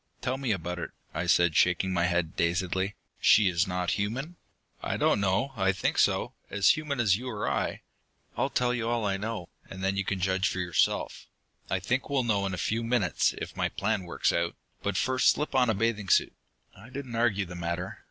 "Tell me about it," I said, shaking my head dazedly. "She is not human?" "I don't know. I think so. As human as you or I. I'll tell you all I know, and then you can judge for yourself. I think we'll know in a few minutes, if my plans work out. But first slip on a bathing suit." I didn't argue the matter.